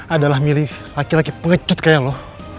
adalah milih laki laki pengecut kayak lo